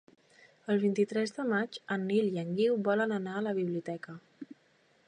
El vint-i-tres de maig en Nil i en Guiu volen anar a la biblioteca.